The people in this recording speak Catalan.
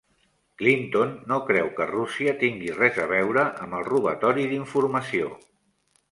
Clinton no creu que Rússia tingui res a veure amb el robatori d'informació